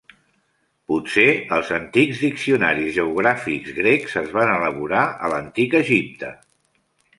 Potser els antics diccionaris geogràfics grecs es van elaborar a l'antic Egipte.